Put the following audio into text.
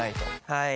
はい。